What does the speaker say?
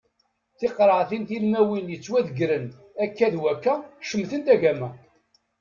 Tiqreɛtin tilmawin yettwadeggren akka d wakka cemtent agama.